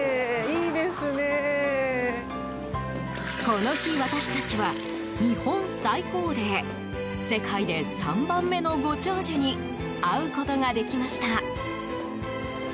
この日、私たちは日本最高齢世界で３番目のご長寿に会うことができました。